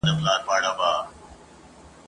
په پردیو وزرونو ځي اسمان ته ..